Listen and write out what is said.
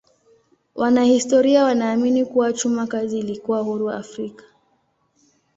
Wanahistoria wanaamini kuwa chuma kazi ilikuwa huru Afrika.